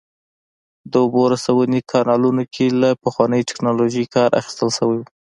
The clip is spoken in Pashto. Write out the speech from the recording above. د اوبو رسونې کانالونو کې له پخوانۍ ټکنالوژۍ کار اخیستل شوی و